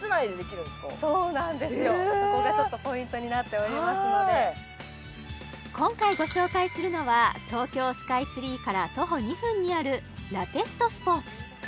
そこがちょっとポイントになっておりますので今回ご紹介するのは東京スカイツリーから徒歩２分にあるＬＡＴＴＥＳＴＳＰＯＲＴＳ